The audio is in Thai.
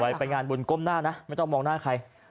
ไปไปงานบุญก้มหน้านะไม่ต้องมองหน้าใคร